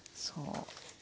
そう。